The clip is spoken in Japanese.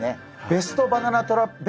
ベストバナナトラップ。